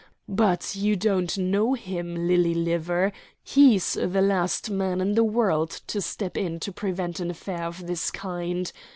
But you don't know him, lily liver; he's the last man in the world to step in to prevent an affair of this kind.